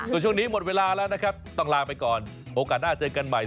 ส่วนช่วงนี้หมดเวลาแล้วนะครับต้องลาไปก่อนโอกาสหน้าเจอกันใหม่